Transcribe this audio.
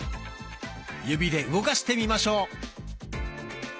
指で動かしてみましょう。